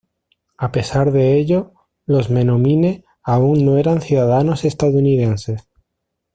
A pesar de ello los menominee aún no eran ciudadanos estadounidenses.